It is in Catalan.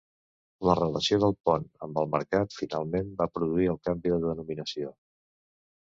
La relació del pont amb el mercat finalment va produir el canvi de denominació.